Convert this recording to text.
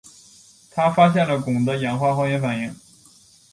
他发现了汞的氧化还原反应。